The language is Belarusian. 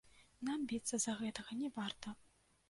Нам біцца з-за гэтага не варта.